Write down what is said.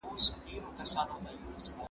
زه پرون زدکړه کوم!.